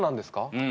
うん。